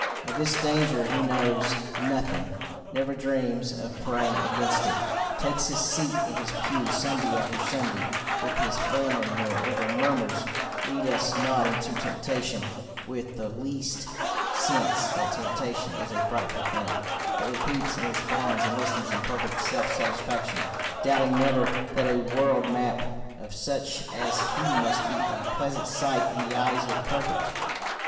Of this danger he knows nothing, never dreams of praying against it, takes his seat in his pew Sunday after Sunday with his family, nor ever murmurs Lead us not into temptation with the least sense that temptation is a frightful thing, but repeats and responds and listens in perfect self satisfaction, doubting never that a world made up of such as he must be a pleasant sight in the eyes of the Perfect.